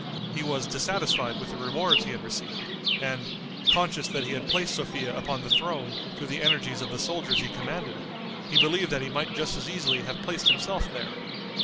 He was dissatisfied with the rewards he had received, and, conscious that he had placed Sophia upon the throne through the energies of the soldiers he commanded, he believed that he might just as easily have placed himself there.